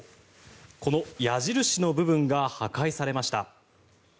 この矢印の部分が破壊されました。